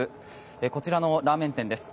こちらのラーメン店です。